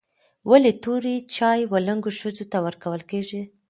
ولي توري چای و لنګو ښځو ته ورکول کیږي؟